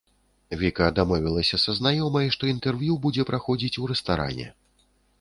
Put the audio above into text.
Віка дамовілася са знаёмай, што інтэрв'ю будзе праходзіць у рэстаране.